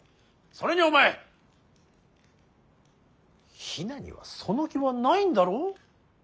それにお前比奈にはその気はないんだろ。